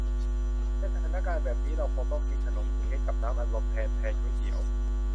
ในสถานการณ์แบบนี้ เราคงต้องกินขนมเค้กกับน้ำอัดลมแทนแทนก๋วยเตี๋ยว